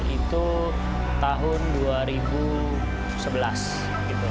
itu tahun dua ribu sebelas gitu